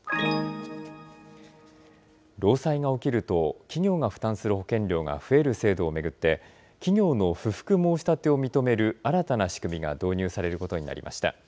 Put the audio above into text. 労災が起きると、企業が負担する保険料が増える制度を巡って、企業の不服申し立てを認める新たな仕組みが導入されることになりました。